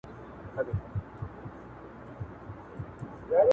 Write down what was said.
د ښځینه وو د جامو